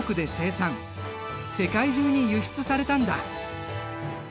世界中に輸出されたんだ。